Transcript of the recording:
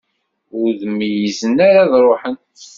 Ur d-meyyzen ara ad ruḥen.